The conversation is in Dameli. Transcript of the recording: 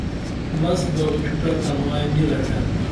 مس بہ اُچھوٹہ ڇمائی نی لٹین